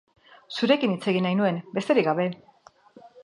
Zurekin hitz egin nahi nuen, besterik gabe.